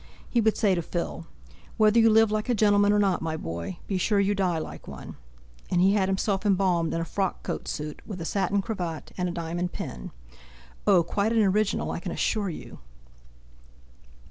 He would say to Phil: 'Whether you live like a gentleman or not, my boy, be sure you die like one!' and he had himself embalmed in a frock coat suit, with a satin cravat and a diamond pin. Oh, quite an original, I can assure you!"